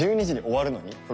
１２時に終わるのに？